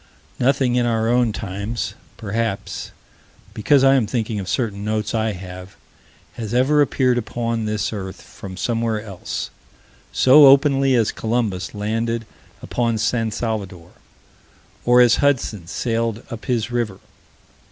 Nothing in our own times perhaps because I am thinking of certain notes I have has ever appeared upon this earth, from somewhere else, so openly as Columbus landed upon San Salvador, or as Hudson sailed up his river.